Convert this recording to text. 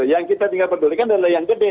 yang kita tinggal pedulikan adalah yang gede